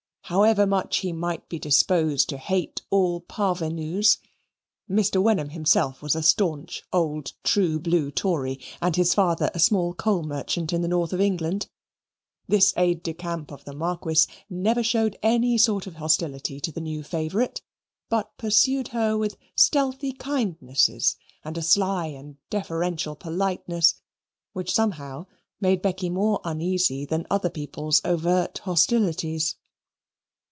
However much he might be disposed to hate all parvenus (Mr. Wenham himself was a staunch old True Blue Tory, and his father a small coal merchant in the north of England), this aide de camp of the Marquis never showed any sort of hostility to the new favourite, but pursued her with stealthy kindnesses and a sly and deferential politeness which somehow made Becky more uneasy than other people's overt hostilities.